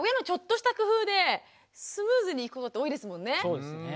そうですね。